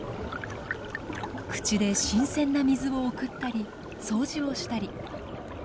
口で新鮮な水を送ったり掃除をしたり。